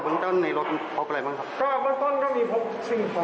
คนช่วยคนขับได้รับแจ้งว่าเขาหนีไปในโรงงาน